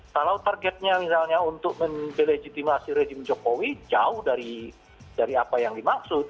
kalau targetnya misalnya untuk mendelegitimasi rejim jokowi jauh dari apa yang dimaksud